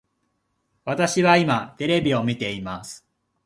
私は今テレビを見ています